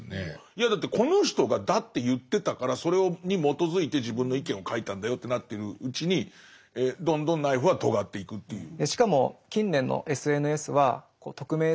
いやだってこの人がだって言ってたからそれに基づいて自分の意見を書いたんだよってなってるうちにどんどんナイフはとがっていくっていう。